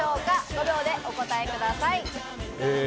５秒でお答えください。